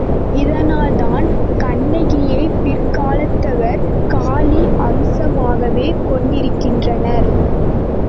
இதனால்தான் கண்ணகியை பிற்காலத்தவர் காளி அம்சமாகவே கொண்டிருக்கின்றனர்.